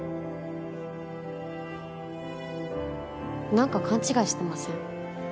何か勘違いしてません？